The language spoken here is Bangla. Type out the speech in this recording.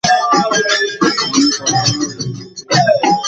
আমি কখনো এ জিনিস ছুঁইনি।